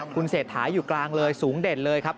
คุณเศรษฐาอยู่กลางเลยสูงเด่นเลยครับ